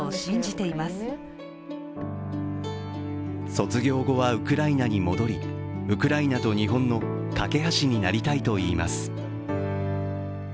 卒業後はウクライナに戻りウクライナと日本のかけ橋になりたいといいます。